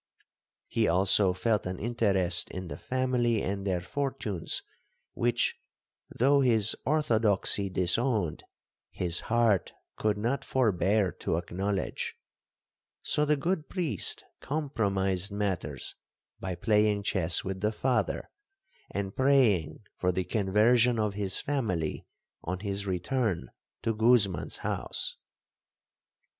He also felt an interest in the family and their fortunes, which, though his orthodoxy disowned, his heart could not forbear to acknowledge,—so the good priest compromised matters by playing chess with the father, and praying for the conversion of his family on his return to Guzman's house.